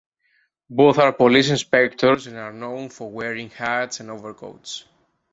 Both are police inspectors, and are known for wearing hats and overcoats.